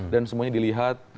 dan semuanya dilihat